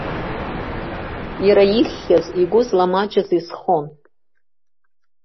Иара ихьхьаз, игәы зламаҷыз изхон.